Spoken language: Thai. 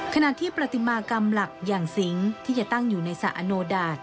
ขณะที่ประติมากรรมหลักอย่างสิงที่จะตั้งอยู่ในสระอโนดาต